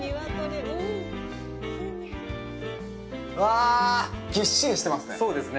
わあ、ぎっしりしてますね。